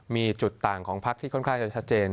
มีจุดต่างของพักที่ค่อนข้างจะชัดเจน